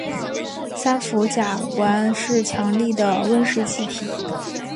三氟甲烷是强力的温室气体。